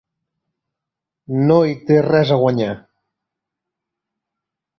No hi té res a guanyar.